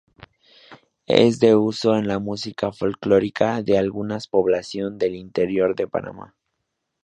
Es de uso en la música folclórica de algunas población del interior de Panamá.